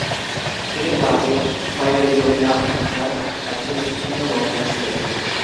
তিনি প্রাচীন খয়েরেজমিয়ান ভাষার একজন স্থানীয় বক্তা ছিলেন।